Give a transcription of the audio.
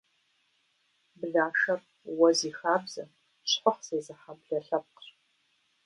Блашэр уэ зи хабзэ, щхъухь зезыхьэ блэ лъэпкъщ.